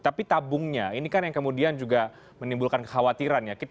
tapi tabungnya ini kan yang kemudian juga menimbulkan kekhawatiran ya